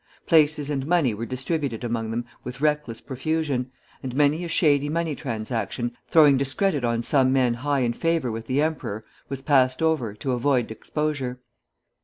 Places and money were distributed among them with reckless profusion, and many a shady money transaction, throwing discredit on some men high in favor with the emperor, was passed over, to avoid exposure.